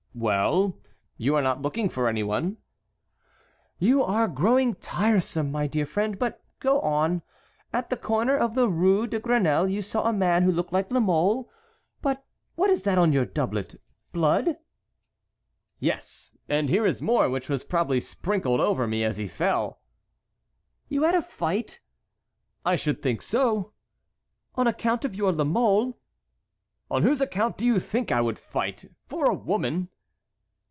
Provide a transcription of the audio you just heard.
"Well, you are not looking for any one." "You are growing tiresome, my dear friend; but go on. At the corner of the Rue de Grenelle you saw a man who looked like La Mole—But what is that on your doublet—blood?" "Yes, and here is more which was probably sprinkled over me as he fell." "You had a fight?" "I should think so." "On account of your La Mole?" "On whose account do you think I would fight? For a woman?"